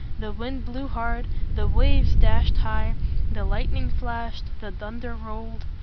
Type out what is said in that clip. The wind blew hard; the waves dashed high; the lightning flashed; the thunder rolled.